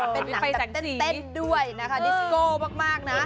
เป็นหนังแต่เต้นด้วยนะคะดิสโกมากนะ